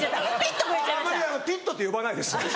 あんまりピットって呼ばないです